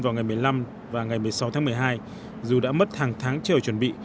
vào ngày một mươi năm và ngày một mươi sáu tháng một mươi hai dù đã mất hàng tháng chờ chuẩn bị